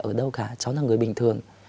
ở đâu cả cháu là người bình thường